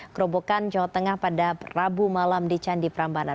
kerobokan jawa tengah pada rabu malam di candi prambanan